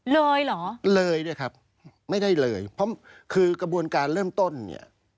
เลยเหรอเลยด้วยครับไม่ได้เลยเพราะคือกระบวนการเริ่มต้นเนี่ย